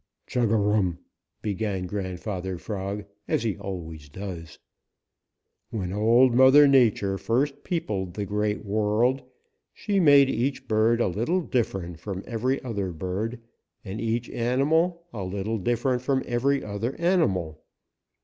"Chug a rum!" began Grandfather Frog, as he always does. "When Old Mother Nature first peopled the Great World, she made each bird a little different from every other bird, and each animal a little different from every other animal.